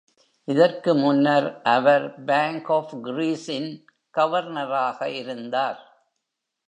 இதற்கு முன்னர் அவர் Bank of Greece இன் கவர்னராக இருந்தார்.